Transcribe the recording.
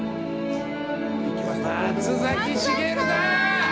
松崎しげるだ！